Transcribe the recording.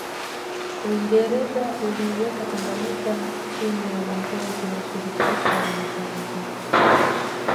Uingereza uliiweka Tanganyika chini ya uongozi wa Shirikisho la Mataifa